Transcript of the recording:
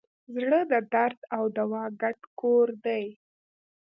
زړه د درد او دوا ګډ کور دی.